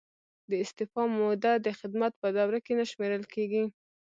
د استعفا موده د خدمت په دوره کې نه شمیرل کیږي.